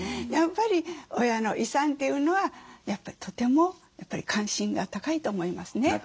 やっぱり親の遺産というのはとてもやっぱり関心が高いと思いますね。